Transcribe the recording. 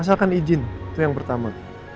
asalkan izin itu yang pertama